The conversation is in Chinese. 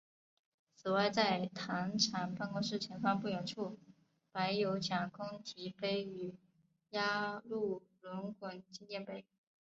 此外在糖厂办公室前方不远处摆有蒋公堤碑与压路滚轮纪念碑。